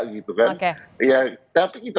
gitu kan ya tapi kita